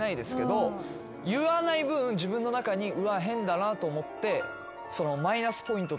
言わない分自分の中にうわ変だなと思って。